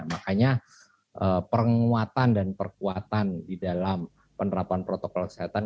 makanya penguatan dan perkuatan di dalam penerapan protokol kesehatan